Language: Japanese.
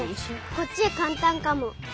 こっちがかんたんかも。